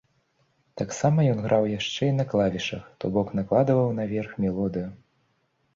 Таксама ён граў яшчэ і на клавішах, то бок накладваў наверх мелодыю.